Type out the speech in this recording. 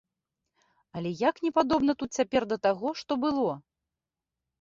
Але як не падобна тут цяпер да таго, што было!